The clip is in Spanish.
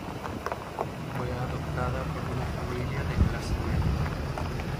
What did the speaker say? Fue adoptada por una familia de clase media.